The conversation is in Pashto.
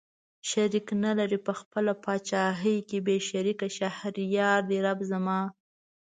شريک نه لري په خپله پاچاهۍ کې بې شريکه شهريار دئ رب زما